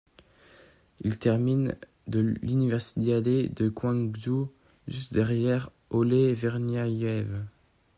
Il termine de l'Universiade de Gwangju, juste derrière Oleh Vernyayev.